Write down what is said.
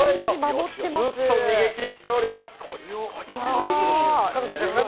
ずっと逃げきっております。